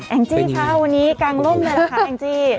แอ็งจ์จี้ข้าวงานวันนี้กังรมด้วยนะคะแอ็งจ์จี้